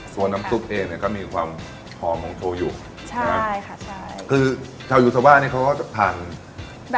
ส่วนน้ำซุปเองก็มีความหอมของโชยุใช่ค่ะคือชาวยูสวรรค์นี้เขาก็ถามว่า